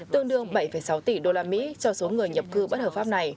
tương đương bảy sáu tỷ đô la mỹ cho số người nhập cư bất hợp pháp này